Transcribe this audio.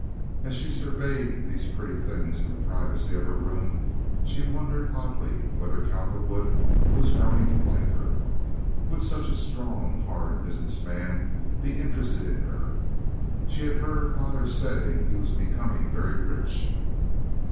As she surveyed these pretty things in the privacy of her room she wondered oddly whether Cowperwood was growing to like her. Would such a strong, hard business man be interested in her? She had heard her father say he was becoming very rich.